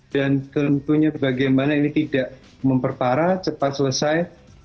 dan tentunya bagaimana ini tidak memperparah cepat selesai